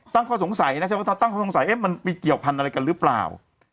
ตั้งความสงสัยนะถ้าตั้งความสงสัยมันมีเกี่ยวภัณฑ์อะไรกันหรือเปล่า